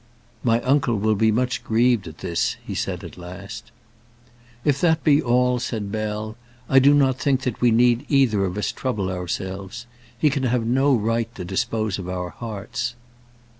"My uncle will be much grieved at this," he said at last. "If that be all," said Bell, "I do not think that we need either of us trouble ourselves. He can have no right to dispose of our hearts."